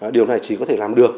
điều này chỉ có thể làm được